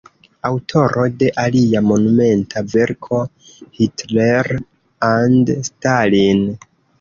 Aŭtoro de alia monumenta verko "Hitler and Stalin.